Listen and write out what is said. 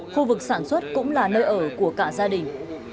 khu vực sản xuất cũng là nơi ở của cả gia đình